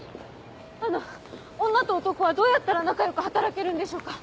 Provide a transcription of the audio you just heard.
あの女と男はどうやったら仲良く働けるんでしょうか？